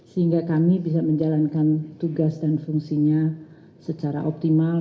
sehingga kami bisa menjalankan tugas dan fungsinya secara optimal